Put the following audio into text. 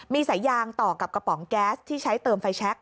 มีสายยางต่อกับกระป๋องแก๊สที่ใช้เติมไฟแชค